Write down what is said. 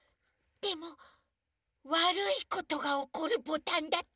でもわるいことがおこるボタンだったらどうする？